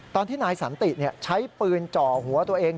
ตอนที่นายสันติใช้ปืนจ่อหัวตัวเอง